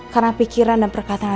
karena pikiran dan perkataan ada